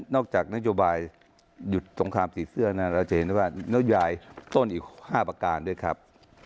นักโยบายหยุดตรงความสีเสื้อนักยายต้นอีก๕ประการด้วยครับ